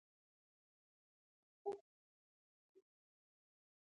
هیواد مې د شعرونو زړه دی